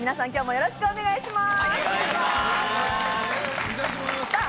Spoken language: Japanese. よろしくお願いします。